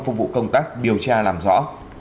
phục vụ công tác điều tra làm rõ